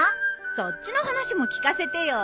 そっちの話も聞かせてよ。